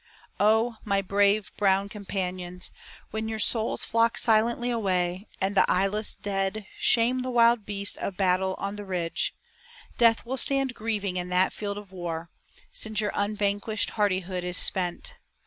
O my brave brown companions, when your souls Flock silently away, and the eyeless dead Shame the wild beast of battle on the ridge, Death will stand grieving in that field of war Since your unvanquished hardihood is spent.